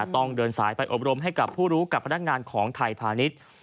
ต้องเดินสายไปอบรมให้กับผู้รู้กับพนักงานของไทยพาณิชย์